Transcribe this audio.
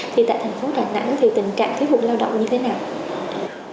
thì tại thành phố đà nẵng thì tình trạng thiếu hụt lao động như thế nào